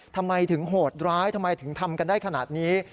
ทำไมถึงโหดร้ายทำไมถึงทำกันได้ขนาดนี้